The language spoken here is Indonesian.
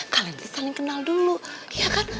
kalian harus saling kenal dulu iya kan